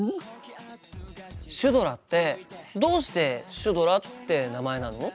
シュドラってどうしてシュドラって名前なの？